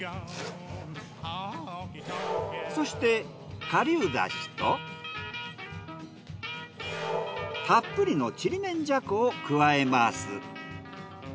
そして顆粒だしとたっぷりのちりめんじゃこを加えます。